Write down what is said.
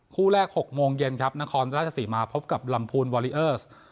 คู่แรก๖โมงเย็นครับนครราชสีมาพบกับลำพูนวอลิเออร์ส